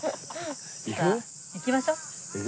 行きましょう。